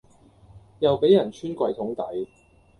又俾人穿櫃桶底